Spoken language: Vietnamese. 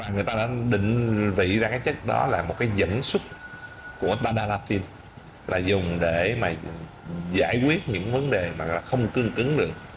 người ta đã định vị ra cái chất đó là một cái dẫn xuất của panaphim là dùng để mà giải quyết những vấn đề mà không cương cứng được